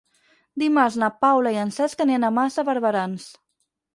Dimarts na Paula i en Cesc aniran a Mas de Barberans.